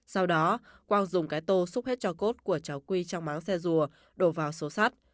sau đó quang dùng cái tô xúc hết cho cốt của cháu quy trong máng xe rùa đổ vào xô sắt